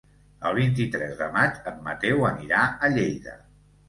El vint-i-tres de maig en Mateu anirà a Lleida.